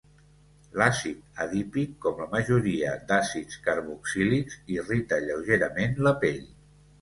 L'àcid adípic, com la majoria d'àcids carboxílics, irrita lleugerament la pell.